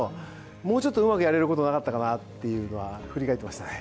もうちょっとうまくやれることなかったのかなというのは振り返ってましたね。